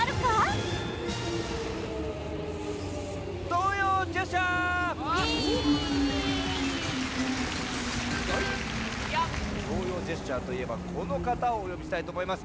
「童謡ジェスチャー」といえばこのかたをおよびしたいとおもいます。